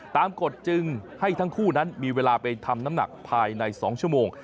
กฎจึงให้ทั้งคู่นั้นมีเวลาไปทำน้ำหนักภายใน๒ชั่วโมง